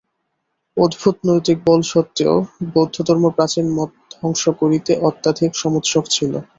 অদ্ভুত নৈতিক বল সত্ত্বেও বৌদ্ধধর্ম প্রাচীন মত ধ্বংস করিতে অত্যধিক সমুৎসুক ছিল।